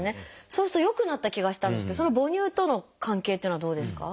そうすると良くなった気がしたんですけど母乳との関係っていうのはどうですか？